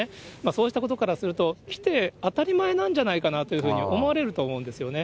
そうしたことからすると、来て当たり前なんじゃないかなというふうに思われると思うんですよね。